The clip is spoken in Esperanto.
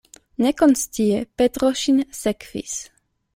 Nekonscie Petro ŝin sekvis.